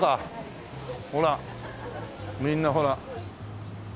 ほらみんなほらっ。